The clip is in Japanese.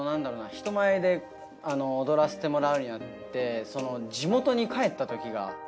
人前で踊らせてもらうようになって地元に帰ったときが。